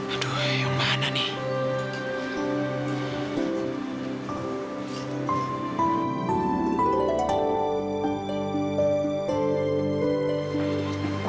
aduh yang mana nih